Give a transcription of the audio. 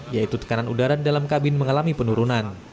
yaitu tekanan udara dalam kabin mengalami penurunan